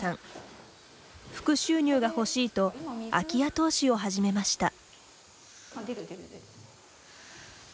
副収入が欲しいと空き家投資を始めました。